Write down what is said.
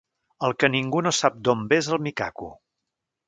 El que ningú no sap d'on ve és el micaco.